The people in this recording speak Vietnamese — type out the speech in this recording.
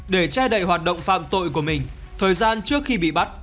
để che đậy hoạt động phạm tội của mình thời gian trước khi bị bắt